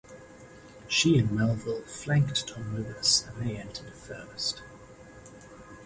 She and Melville flanked Tom Lewis and they entered first.